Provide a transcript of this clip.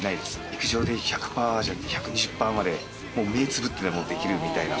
陸上で１００パーじゃなくて、１２０パーまで、もう目をつぶってでもできるみたいな。